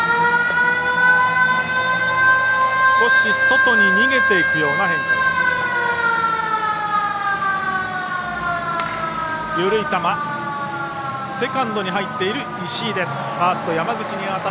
少し外に逃げていくような変化がありました。